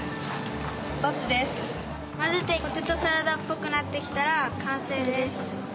混ぜてポテトサラダっぽくなってきたら完成です。